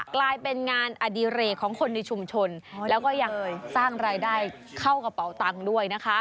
กลายเป็นงานอดิเรกของคนในชุมชนแล้วก็ยังสร้างรายได้เข้ากระเป๋าตังค์ด้วยนะคะ